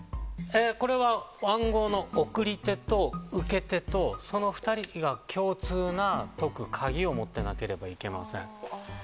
これは暗号の送り手と受け手とその２人が共通の解く鍵を持ってないといけません。